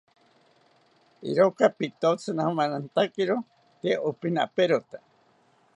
Iroka pitotzi namanantakiro tee opinaperota